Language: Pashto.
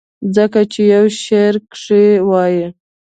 ځکه چې يو شعر کښې وائي :